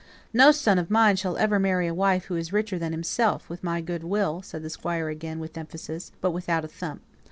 "No son of mine shall ever marry a wife who is richer than himself with my good will," said the Squire again, with emphasis, but without a thump.